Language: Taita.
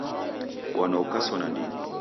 Bwana ukaso nandighi!